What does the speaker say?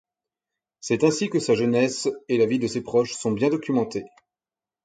C'est ainsi que sa jeunesse et la vie de ses proches sont bien documentées.